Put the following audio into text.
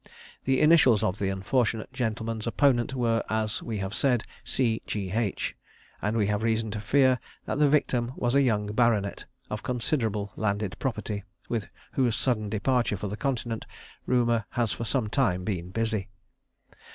The initials of the unfortunate gentleman's opponent were, as we have said, C. G. H.; and we have reason to fear that the victim was a young baronet, of considerable landed property, with whose sudden departure for the Continent rumour has for some time been busy.